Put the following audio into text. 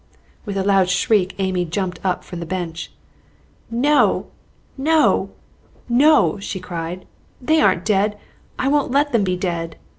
With a loud shriek Amy jumped up from the bench. "No! no! no!" she cried; "they aren't dead! I won't let them be dead!"